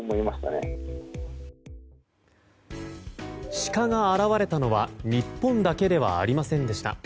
シカが現れたのは日本だけではありませんでした。